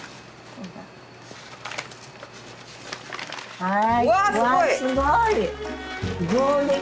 はい。